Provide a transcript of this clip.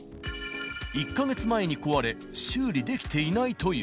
１か月前に壊れ、修理できていないという。